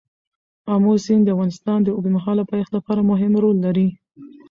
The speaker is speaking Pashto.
آمو سیند د افغانستان د اوږدمهاله پایښت لپاره مهم رول لري.